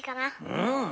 うん。